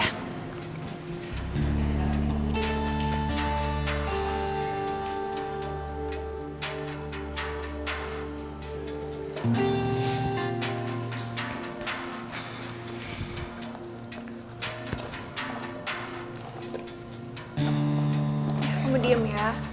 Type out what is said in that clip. kamu diem ya